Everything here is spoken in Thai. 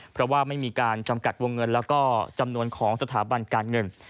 เพราะว่าไม่มีการจำกัดวงเงินแล้วก็จำนวนของสถาบันการเงิน